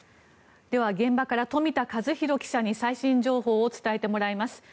では現場から冨田和裕記者に最新情報を伝えてもらいます。